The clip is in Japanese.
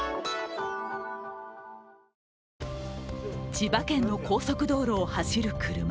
千葉県の高速道路を走る車。